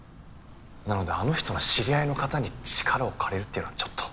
なのであの人の知り合いの方に力を借りるっていうのはちょっと。